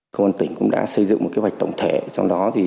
công an tỉnh cũng đã xây dựng một kế hoạch tổng thể trong đó